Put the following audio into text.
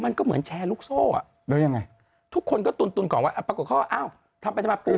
มันก็เหมือนแชร์ลูกโซ่อ่ะแล้วยังไงทุกคนก็ตุนตุนก่อนว่าปรากฏเขาว่าอ้าวทำไปทำไมปู